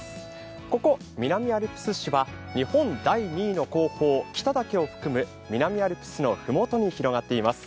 ここ南アルプス市は日本第２位の高峰、北岳を含む南アルプスの麓に広がっています。